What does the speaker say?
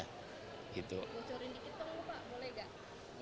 bocorin dikit dulu pak boleh gak